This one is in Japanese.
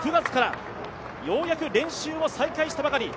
川口は９月からようやく練習を再開したばかり。